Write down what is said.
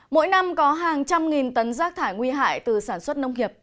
mỗi năm có hàng trăm nghìn tấn rác thải nguy hại từ sản xuất nông nghiệp